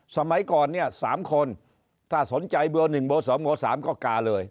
สมัยก่อนเนี่ยสามคนถ้าสนใจเบอร์หนึ่งเบอร์สองเบอร์สามก็กาเลย